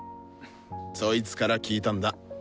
そいつから聞いたんだ。